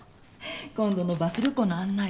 今度のバス旅行の案内